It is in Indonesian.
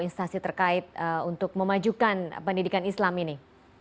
kementerian lain atau instasi terkait untuk memajukan pendidikan islam ini